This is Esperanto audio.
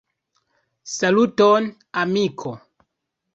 Saluton, amiko!